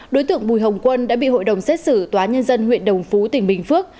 đối tượng bùi hồng quân đã bị hội đồng xét xử tòa nhân dân huyện đồng phú tỉnh bình phước